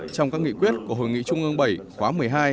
trong các nghị quyết của hội nghị trung ương bảy khóa một mươi hai